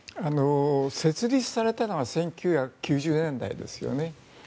設立されたのは１９９０年代ですよね。